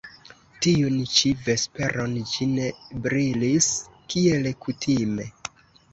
Tiun ĉi vesperon ĝi ne brilis kiel kutime.